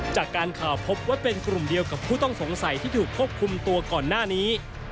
จากการข่าวพบว่าเป็นกลุ่มเดียวกับผู้ต้องสงสัยที่ถูกควบคุมตัวก่อนหน้านี้